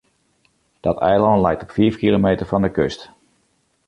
Dat eilân leit op fiif kilometer fan de kust.